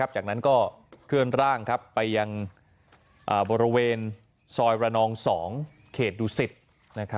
จากนั้นก็เคลื่อนร่างไปยังบริเวณซอยระนอง๒เขตดุสิต